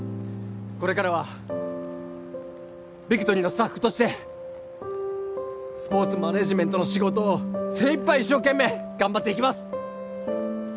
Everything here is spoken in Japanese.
これからはビクトリーのスタッフとしてスポーツマネージメントの仕事を精いっぱい一生懸命頑張っていきます